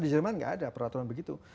di jerman nggak ada peraturan begitu